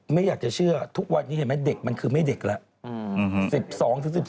ไม่อยากจะเชื่อทุกวันนี้เห็นไหมเด็กมันคือไม่เด็กแล้ว